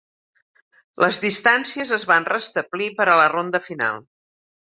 Les distàncies es van restablir per a la ronda final.